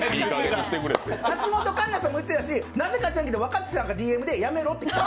橋本環奈さんも言ってたしなぜか知らないけど若槻さんもＤＭでやめろって来てる。